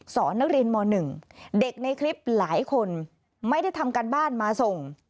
นักเรียนม๑เด็กในคลิปหลายคนไม่ได้ทำการบ้านมาส่ง